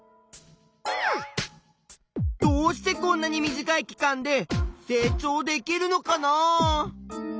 どうしてこんなに短い期間で成長できるのかなあ。